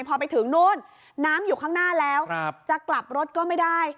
พอไปถึงนู่นน้ำอยู่ข้างหน้าแล้วจะกลับรถก็ไม่ได้